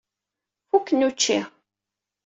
Fuken učči.